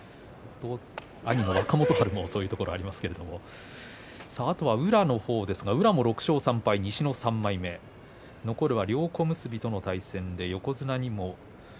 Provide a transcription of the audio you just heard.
兄の若元春もそういうところがありますけれども、あとは宇良の方ですが６勝３敗西の３枚目残るは両小結との対戦で横綱にも。